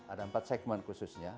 ada empat segmen khususnya